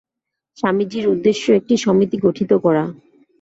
স্বামীজীর উদ্দেশ্য একটি সমিতি গঠিত করা।